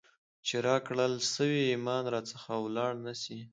چي راکړل سوئ ایمان را څخه ولاړ نسي ،